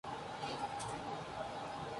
Participó en la modalidad de Individual masculino.